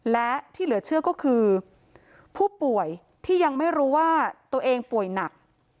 และที่เหลือเชื่อก็คือผู้ป่วยที่ยังไม่รู้ว่าตัวเองป่วยหนัก